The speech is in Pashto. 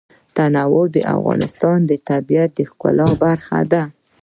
تنوع د افغانستان د طبیعت د ښکلا برخه ده.